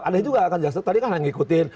ada juga kan jaksa tadi kan ngikutin